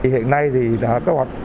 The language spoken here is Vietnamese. hiện nay thì đã tốt